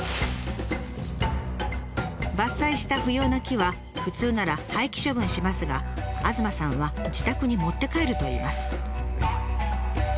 伐採した不要な木は普通なら廃棄処分しますが東さんは自宅に持って帰るといいます。